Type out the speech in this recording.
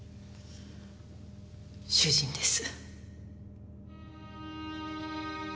主人です。